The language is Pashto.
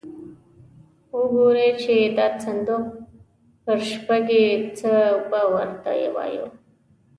او وګوري چې دا صندوق پرشېږي، څه به ور ته وایو.